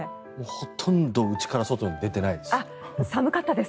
ほとんどうちから外に出ていないです。